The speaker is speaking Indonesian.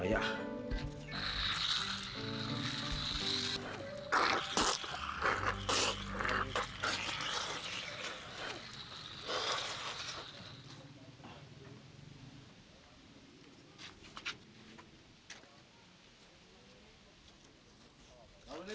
ini yang ini